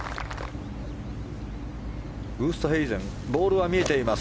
ウーストヘイゼンボールは見えています